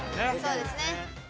そうですね